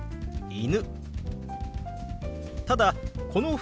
「犬」。